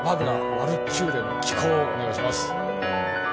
「ワルキューレの騎行」をお願いします。